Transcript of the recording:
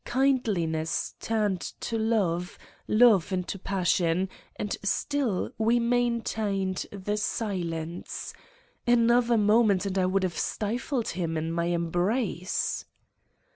Kindliness turned to love, love into passion, and still we maintained the silence ... another moment and I would have stifled him in my embrace!